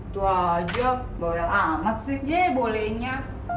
tua juga boleh amat sih bolehnya